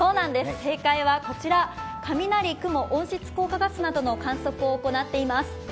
正解は雷、雲、温室効果ガスなどの観測を行っています。